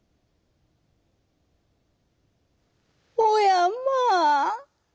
「おやまあ！